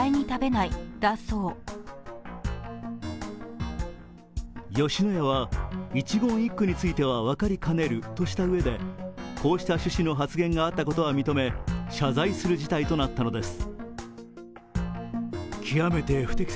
若い女性を生娘呼ばわり吉野家は一言一句については分かりかねるとしたうえでこうした趣旨の発言があったことは認め、謝罪する事態となったのです。